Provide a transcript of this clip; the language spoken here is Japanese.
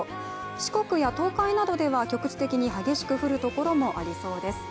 四国や東海などでは局地的に激しく降るところもありそうです。